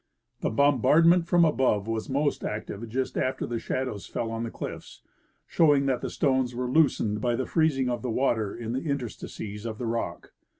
The bom bardment from above was most active just after the shadows fell on the cliffs, showing that the stones were loosened by the freez ing of the water in the interstices of the rock.